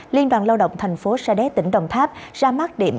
liên đoàn lao động tp sa đé tỉnh đồng tháp ra mắt điểm